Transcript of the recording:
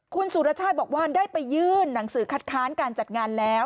คุณสุรชาติบอกว่าได้ไปยื่นหนังสือคัดค้านการจัดงานแล้ว